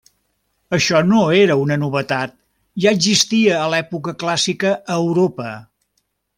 Això no era una novetat, ja existia a l'època clàssica a Europa.